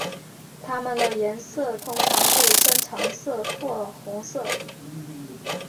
它们的颜色通常是深橙色或红色。